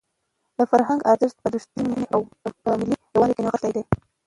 د فرهنګ ارزښت په رښتونې مینه او په ملي یووالي کې نغښتی دی.